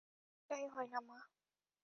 এটা হয় না, মা।